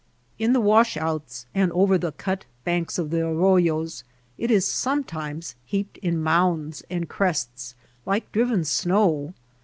In the wash outs and over the cut banks of the arroyos it is sometimes heaped in mounds and crests like driven snow.